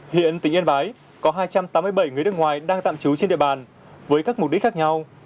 hiện tỉnh yên bái có hai trăm tám mươi bảy người nước ngoài đang tạm trú trên địa bàn với các mục đích khác nhau